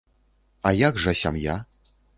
А як жа сям'я?